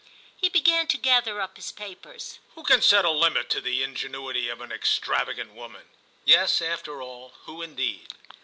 He began to gather up his papers. "Who can set a limit to the ingenuity of an extravagant woman?" "Yes, after all, who indeed?"